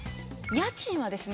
家賃はですね